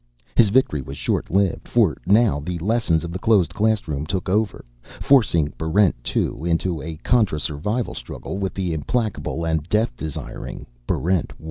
His victory was short lived. For now the lessons of the closed classroom took over, forcing Barrent 2 into a contrasurvival struggle with the implacable and death desiring Barrent 1.